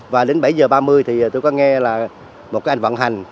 và đến bảy h ba mươi thì tôi có nghe là một cái anh vận hành